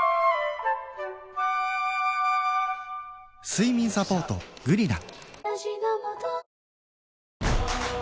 睡眠サポート「グリナ」